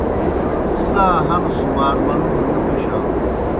سا ہنوْ سُمار منُوڙوْ نہ تُشانوْ